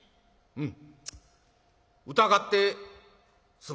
「うん。